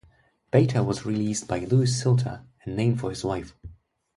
Beta was released by Louis Suelter, and named for his wife.